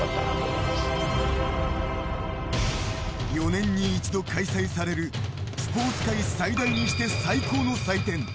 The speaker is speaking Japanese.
４年に一度開催されるスポーツ界最大にして最高の祭典。